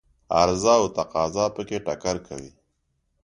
عرضه او تقاضا په کې ټکر کوي.